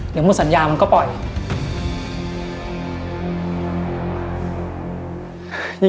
หมดสัญญามันก็ปล่อย